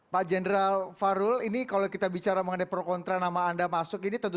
pak general fahru ini kalau kita bicara mengenai pro kontra nama anda masuk ini